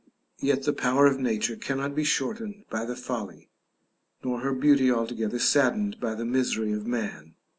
Yet the power of Nature cannot be shortened by the folly, nor her beauty altogether saddened by the misery, of man.